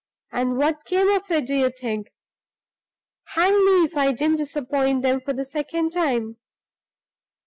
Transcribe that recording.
And what came of that, do you think? Hang me, if I didn't disappoint them for the second time!